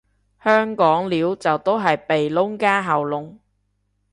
香港撩就都係鼻窿加喉嚨